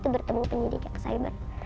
bertemu penyidiknya ke cyber